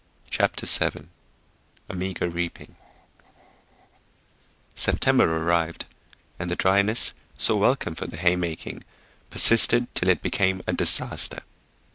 CHAPTER VII A MEAGER REAPING SEPTEMBER arrived, and the dryness so welcome for the hay making persisted till it became a disaster.